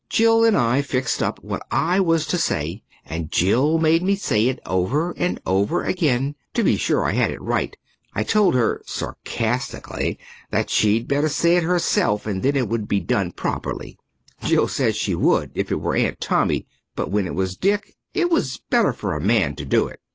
Jill and I fixed up what I was to say and Jill made me say it over and over again to be sure I had it right. I told her sarcastically that she'd better say it herself and then it would be done properly. Jill said she would if it were Aunt Tommy, but when it was Dick it was better for a man to do it.